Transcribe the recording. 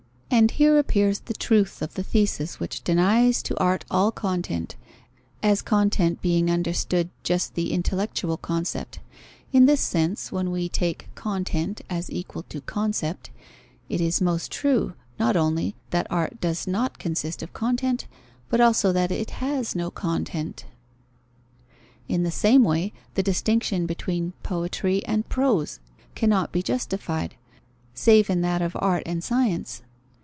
And here appears the truth of the thesis which denies to art all content, as content being understood just the intellectual concept. In this sense, when we take "content" as equal to "concept" it is most true, not only that art does not consist of content, but also that it has no content. In the same way the distinction between poetry and prose cannot be justified, save in that of art and science.